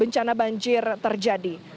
bencana banjir terjadi